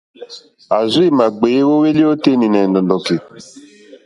A rziima gbèe wo hwelì o tenì nà è ndɔ̀ndɔ̀ki.